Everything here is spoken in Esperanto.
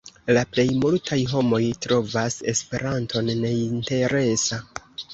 La plej multaj homoj trovas Esperanton neinteresa.